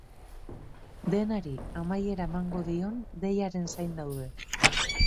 Denari amaiera emango dion deiaren zain daude.